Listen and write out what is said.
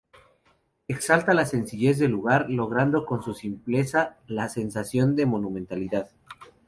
Exalta la sencillez del lugar, logrando con su simpleza la sensación de monumentalidad.